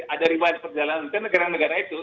ada ribuan perjalanan mungkin negara negara itu